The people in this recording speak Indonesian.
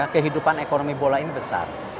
kehidupan ekonomi bola ini besar